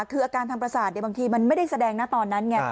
คืออาการทางประสาทบางทีมันไม่ได้แสดงนะตอนนั้นไง